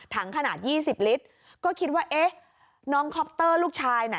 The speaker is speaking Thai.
ขนาดยี่สิบลิตรก็คิดว่าเอ๊ะน้องคอปเตอร์ลูกชายน่ะ